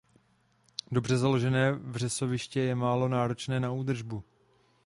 Dobře založené vřesoviště je málo náročné na údržbu.